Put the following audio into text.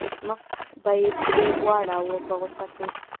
مخ به یې ترې واړاوه په غوسه کې.